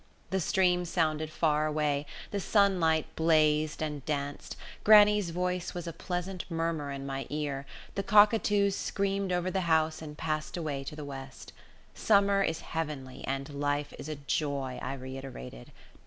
The stream sounded far away, the sunlight blazed and danced, grannie's voice was a pleasant murmur in my ear, the cockatoos screamed over the house and passed away to the west. Summer is heavenly and life is a joy, I reiterated.